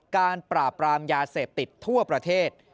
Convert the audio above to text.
การปราบรามยาเสพติดทั่วประเทศ